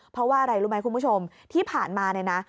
เพราะว่าอะไรรู้ไหมคุณผู้ชมที่ผ่านมาเนี่ยนะ